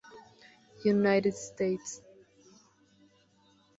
United States.